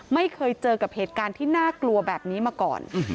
ไม่เคยเจอกับเหตุการณ์ที่น่ากลัวแบบนี้มาก่อน